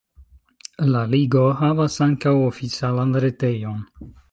La ligo havas ankaŭ oficialan retejon.